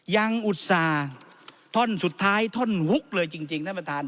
อุตส่าห์ท่อนสุดท้ายท่อนฮุกเลยจริงท่านประธาน